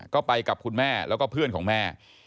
ก็ไปกับคุณแม่แล้วก็เพื่อนของแม่